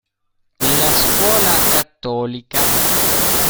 La scuola cattolica